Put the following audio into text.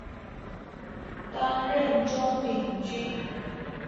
转任中领军。